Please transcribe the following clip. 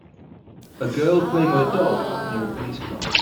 A girl playing with a dog near a police car.